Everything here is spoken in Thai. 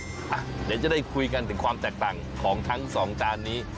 เดี๋ยวจะได้คุยกันถึงความแตกต่างของทั้งสองจานนี้